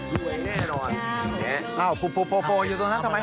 อ้าวโปอยู่ตรงนั้นทำไมครับ